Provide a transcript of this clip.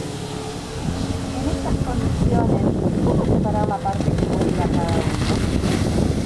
En estas condiciones ¿cómo separar la parte que vuelve a cada uno?.